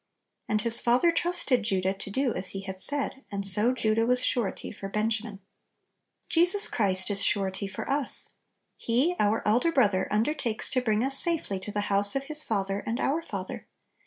And his father trusted Judah to do as he had said, and so Judah was surety for Benjamin. Jesus Christ is Surety for us. He, our Elder Brother, undertakes to bring us safely to the house of His Father and our Father.